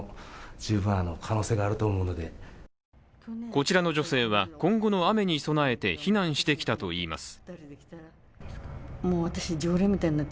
こちらの女性は、今後の雨に備えて避難してきたといいます。